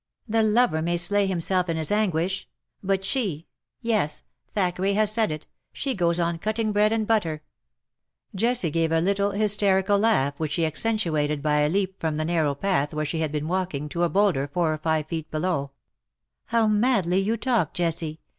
The lover may slay himself in his anguish — but she — yes — Thackeray has said it — she goes on cutting bread and bvittcr V Jessie gave a little hysterical laugh, which she accentuated by a leap from the narrow path where she had been walking to a boulder four or five feet below. 202 *^AND PALE FROM THE PAST/' ETC. " How madly you talk, Jessie.